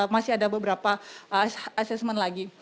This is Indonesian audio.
masih ada beberapa assessment lagi